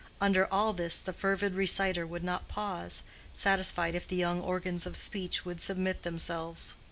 Under all this the fervid reciter would not pause, satisfied if the young organs of speech would submit themselves.